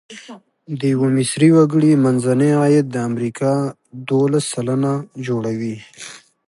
د یوه مصري وګړي منځنی عاید د امریکا دوولس سلنه جوړوي.